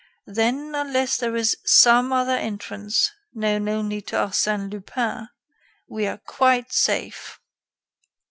"Then, unless there is some other entrance, known only to Arsène Lupin, we are quite safe."